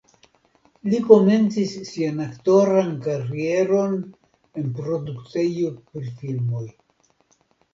Li komencis sian aktoran karieron en produktejo pri filmoj.